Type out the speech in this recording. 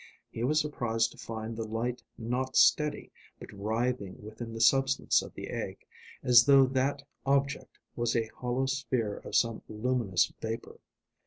He was surprised to find the light not steady, but writhing within the substance of the egg, as though that object was a hollow sphere of some luminous vapour.